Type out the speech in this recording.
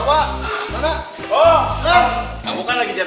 mau ngantuk nggak